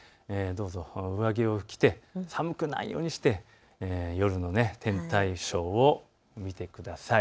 どうぞ上着を着て寒くないようにして夜の天体ショーを見てください。